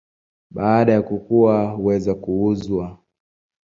Baada ya kukua huweza kuuzwa.